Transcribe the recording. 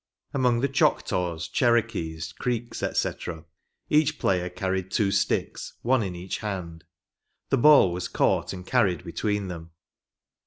Among the Choctaws, Cherokees, Creeks, &c., each player carried two sticks, one in each hand. The ball was caught and carried between them.